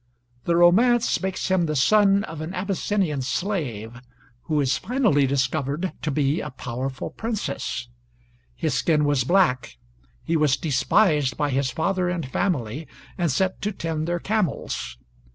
The romance makes him the son of an Abyssinian slave, who is finally discovered to be a powerful princess. His skin was black. He was despised by his father and family and set to tend their camels.